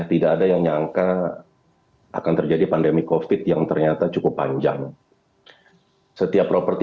tidak ada yang nyangka akan terjadi pandemi kofi jacket nyata cukup panjang setiap properti